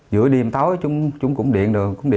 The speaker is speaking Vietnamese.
giữa đêm tối chúng cũng điện